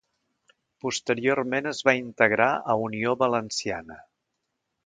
Posteriorment es va integrar a Unió Valenciana.